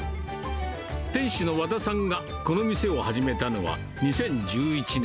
店主の和田さんがこの店を始めたのは、２０１１年。